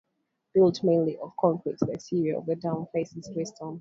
Built mainly of concrete, the exterior of the dam face is dressed stone.